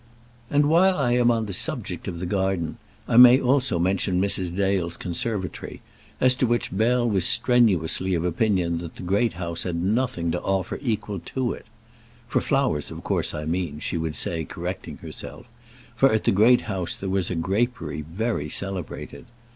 And while I am on the subject of the garden I may also mention Mrs. Dale's conservatory, as to which Bell was strenuously of opinion that the Great House had nothing to offer equal to it "For flowers, of course, I mean," she would say, correcting herself; for at the Great House there was a grapery very celebrated.